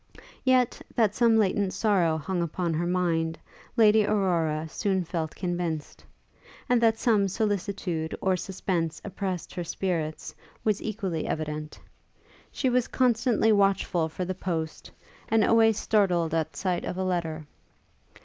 Yet, that some latent sorrow hung upon her mind, Lady Aurora soon felt convinced; and that some solicitude or suspense oppressed her spirits, was equally evident: she was constantly watchful for the post, and always startled at sight of a letter.